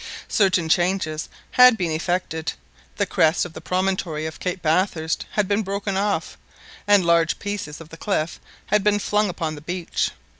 Certain changes had been effected. The crest of the promontory of Cape Bathurst had been broken off, and large pieces of the cliff had been flung upon the beach.